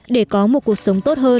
để có một cuộc sống tốt hơn